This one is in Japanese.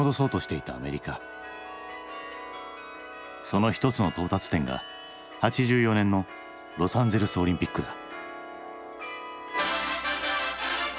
その一つの到達点が８４年のロサンゼルスオリンピックだ。